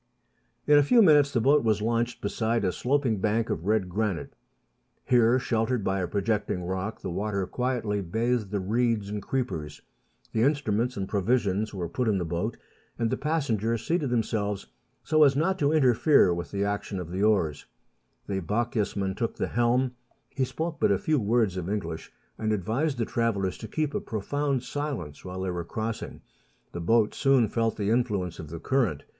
In a few minutes the boat was launched beside a sloping bank of red granite. Here, sheltered by a projecting rock, the water quietly bathed the reeds and creepers. The instruments and provisions were put in the boat, and the passengers seated themselves so as not to interfere with the action of the oars. The Bochjesman took the helm ; he spoke but a few words of English, and advised the travellers to keep a profound silence while they were crossing. The boat soon felt the influence of the current.